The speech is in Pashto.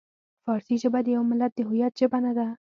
فارسي ژبه د یوه ملت د هویت ژبه نه ده.